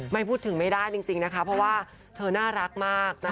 ไม่พูดถึงไม่ได้จริงนะคะเพราะว่าเธอน่ารักมากนะคะ